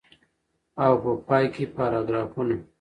او په پای کي پاراګرافونه.